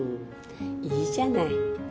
いいじゃない。